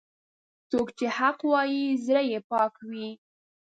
څوک چې حق وايي، زړه یې پاک وي.